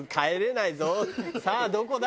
さあどこだ？